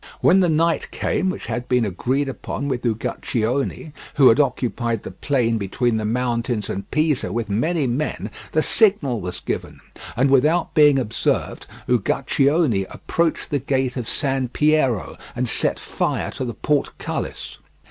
When the night came which had been agreed upon with Uguccione, who had occupied the plain between the mountains and Pisa with many men, the signal was given, and without being observed Uguccione approached the gate of San Piero and set fire to the portcullis.